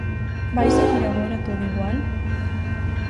¿Vai seguir agora todo igual?